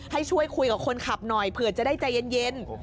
ให้ช่วยคุยกับคนขับหน่อยเผื่อจะได้ใจเย็น